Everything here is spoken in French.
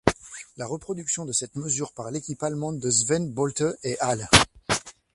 La reproduction de cette mesure par l'équipe allemande de Sven Bölte et al.